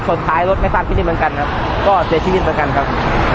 สุดท้ายรถไม่ทราบชนิดเหมือนกันครับก็เสียชีวิตเหมือนกันครับ